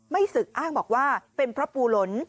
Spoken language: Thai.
ศึกอ้างบอกว่าเป็นเพราะปูหลน